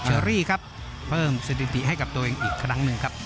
อรี่ครับเพิ่มสถิติให้กับตัวเองอีกครั้งหนึ่งครับ